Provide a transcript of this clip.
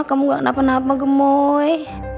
kamu gak kenapa napa gemoy